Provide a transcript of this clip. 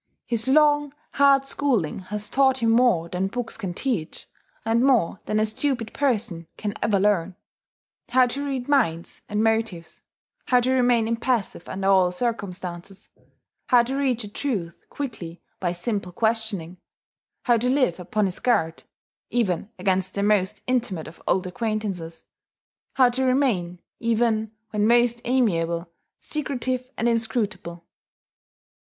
His long, hard schooling has taught him more than books can teach, and more than a stupid person can ever learn: how to read minds and motives, how to remain impassive under all circumstances, how to reach a truth quickly by simple questioning, how to live upon his guard (even against the most intimate of old acquaintances), how to remain, even when most amiable, secretive and inscrutable.